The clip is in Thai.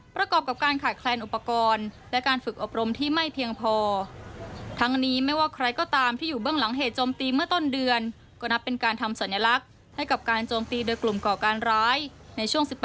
ประกอบกับการขายแคลนอุปกรณ์